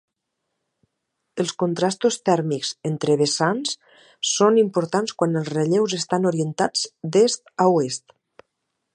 Els contrastos tèrmics entre vessants són importants quan els relleus estan orientats d'est a oest.